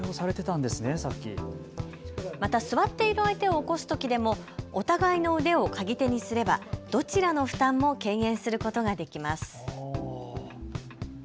また座っている相手を起こすときでもお互いの腕を鈎手にすればどちらの負担も軽減することができます。